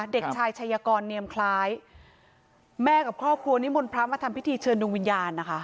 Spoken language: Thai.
เด็กชายชัยกรเนียมคล้ายแม่กับครอบครัวนิมนต์พระมาทำพิธีเชิญดวงวิญญาณนะคะ